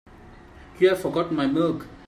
You've forgotten my milk.